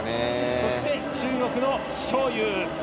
そして中国の章勇。